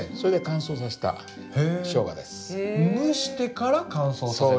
蒸してから乾燥させた？